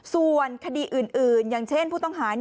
ส่วนคดีอื่นอย่างเช่นผู้ต้องหา